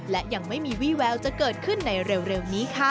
และยังไม่มีวี่แววจะเกิดขึ้นในเร็วนี้ค่ะ